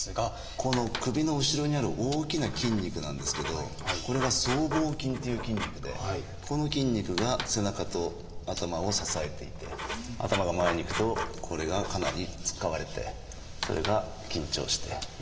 この首の後ろにある大きな筋肉なんですけどこれが僧帽筋っていう筋肉でここの筋肉が背中と頭を支えていて頭が前にいくとこれがかなり使われてそれが緊張して痛みが続いてしまうと。